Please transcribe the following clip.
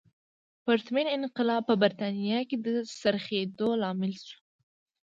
پرتمین انقلاب په برېټانیا کې د څرخېدو لامل شو.